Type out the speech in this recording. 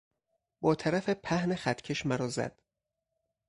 با طرف پهن خطکش مرا زد.